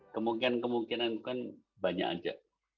kemungkinan kemungkinan kan banyak saja